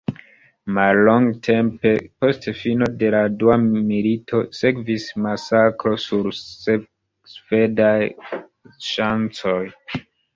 Mallongtempe post fino de la dua milito sekvis masakro sur Svedaj ŝancoj.